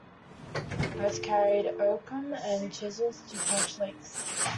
Boats carried oakum and chisels to patch leaks.